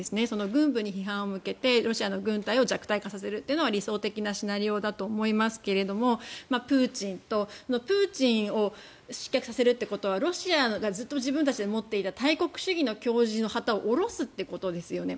軍部に批判を向けてロシアの軍隊を弱体化させるのは理想的なシナリオだと思いますがプーチンとそのプーチンを失脚させるということはロシアがずっと自分たちで思っていた大国主義の旗を下ろすということですよね。